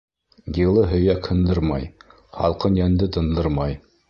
Йылы һөйәк һындырмай, һалҡын йәнде тындырмай.